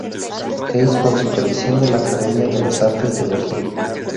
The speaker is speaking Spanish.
Hasse con supervisión de la Academia de las Artes de Berlín.